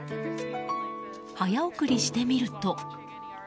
早送りしてみると。